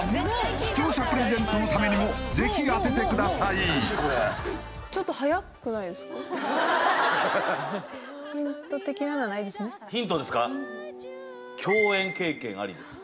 視聴者プレゼントのためにもぜひ当ててくださいヒントですか？